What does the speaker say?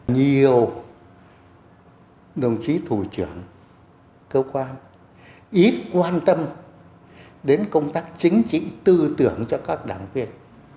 nhiều đồng chí thủ trưởng cơ quan ít quan tâm đến công tác chính trị tư tưởng cho các đảng viên